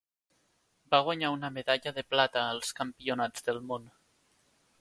Va guanyar una medalla de plata als Campionats del Món.